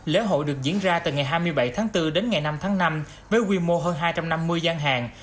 lễ hội được diễn ra từ ngày hai mươi bảy tháng bốn đến ngày năm tháng năm với quy mô hơn hai trăm năm mươi gian hàng